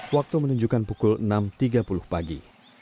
waktu menunjukkan pukul enam tiga puluh pagi